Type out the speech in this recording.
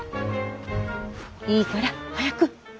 いいから早く。